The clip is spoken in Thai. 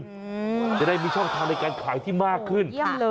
จะได้มีช่องทางในการขายที่มากขึ้น